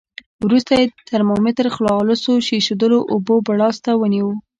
وروسته یې ترمامتر خالصو ایشېدلو اوبو بړاس ته ونیو.